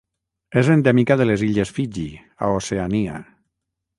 És endèmica de les illes Fiji, a Oceania.